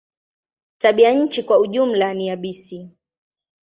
Tabianchi kwa jumla ni yabisi.